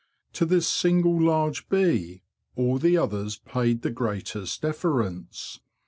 To this single large bee all the others paid the greatest deference.